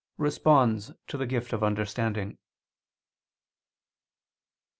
Responds to the Gift of Understanding?